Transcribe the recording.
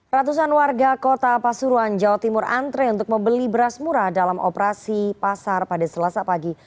ratusan warga kota pasuruan jawa timur antre untuk membeli beras murah dalam operasi pasar pada selasa pagi